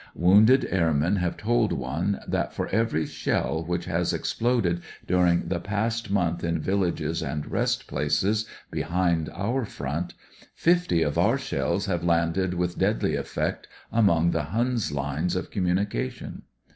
Wounded airmen have told one that for every sheU 202 WHAT EVERY M.O. KNOWS which has exploded during the past month m villages and rest places behind our front, fifty of our shells have landed, with deadly effect, among the Him's lines of communication.